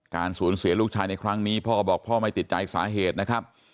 สูญเสียลูกชายในครั้งนี้พ่อบอกพ่อไม่ติดใจสาเหตุนะครับ